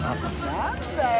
何だよ？